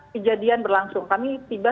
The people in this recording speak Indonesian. kejadian berlangsung kami tiba